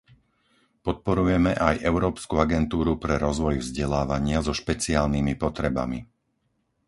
Podporujeme aj Európsku agentúru pre rozvoj vzdelávania so špeciálnymi potrebami.